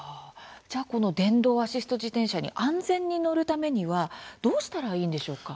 じゃあこの電動アシスト自転車に安全に乗るためにはどうしたらいいんでしょうか？